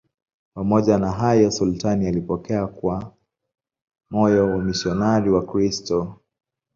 Pamoja na hayo, sultani alipokea kwa moyo wamisionari Wakristo.